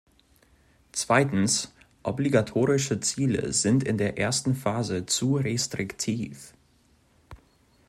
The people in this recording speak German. Zweitens, obligatorische Ziele sind in der ersten Phase zu restriktiv.